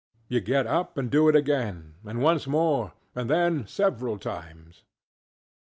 You get up and do it again; and once more; and then several times.